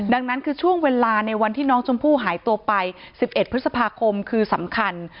ดังนั้นคือช่วงเวลาในวันที่น้องชมพู่หายตัวไป๑๑พฤษภาคมคือสำคัญ